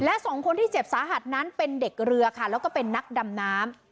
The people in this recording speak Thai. และสองคนที่เจ็บสาหัสนั้นเป็นเด็กเรือค่ะแล้วก็เป็นนักดำน้ำ